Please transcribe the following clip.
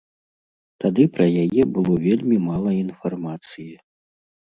Тады пра яе было вельмі мала інфармацыі.